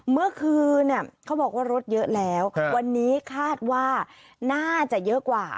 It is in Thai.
เมื่อคืนเขาบอกว่ารถเยอะแล้ววันนี้คาดว่าน่าจะเยอะกว่า